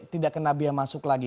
tidak kena biaya masuk lagi